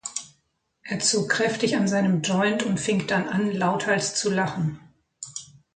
Er zog kräftig an seinem Joint und fing dann an lauthals zu lachen.